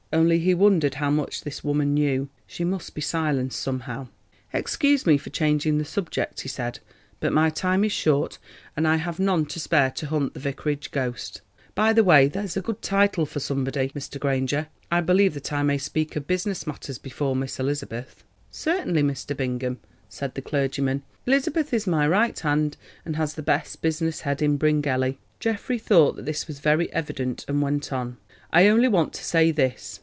Only he wondered how much this woman knew. She must be silenced somehow. "Excuse me for changing the subject," he said, "but my time is short, and I have none to spare to hunt the 'Vicarage Ghost.' By the way, there's a good title for somebody. Mr. Granger, I believe that I may speak of business matters before Miss Elizabeth?" "Certainly, Mr. Bingham," said the clergyman; "Elizabeth is my right hand, and has the best business head in Bryngelly." Geoffrey thought that this was very evident, and went on. "I only want to say this.